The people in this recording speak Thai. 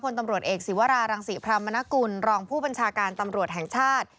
ตำรวจเอกศิวรารังศรีพรามนกุลรองผู้บัญชาการตำรวจแห่งชาติ